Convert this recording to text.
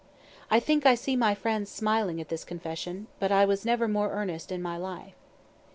(I think I see my friends smiling at this confession, but I was never more in earnest in my life.)